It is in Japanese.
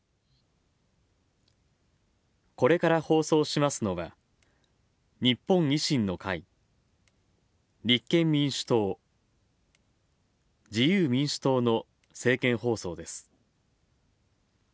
これから放送しますのは、日本維新の会立憲民主党自由民主党の政見放送です。